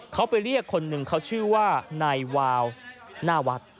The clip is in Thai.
เขาไปเรียกคนหนึ่งเขาชื่อว่านายวาวหน้าวัด